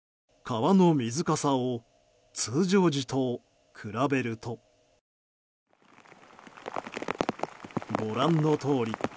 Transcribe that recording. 川の水かさを通常時と比べるとご覧のとおり。